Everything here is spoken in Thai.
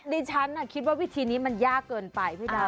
ดิฉันคิดว่าวิธีนี้มันยากเกินไปพี่ดาว